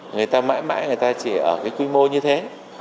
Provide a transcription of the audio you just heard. người ta mãi mãi người ta chỉ ở cái quy mô như thế